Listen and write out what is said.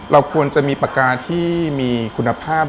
เราควรจะมีปากกาที่มีคุณภาพ